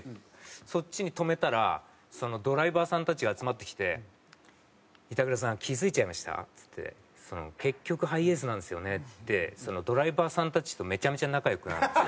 そっちに止めたらドライバーさんたちが集まってきて「板倉さん気付いちゃいました？」っつって。「結局ハイエースなんですよね」ってドライバーさんたちとめちゃめちゃ仲良くなるんですよ。